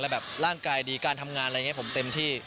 แบบร่างกายดีการทำงานอะไรอย่างนี้ผมเต็มที่